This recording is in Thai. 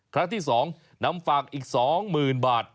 ครั้งที่๒นำฝากอีก๒๐๐๐บาท